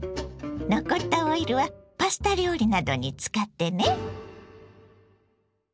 残ったオイルはパスタ料理などに使ってね。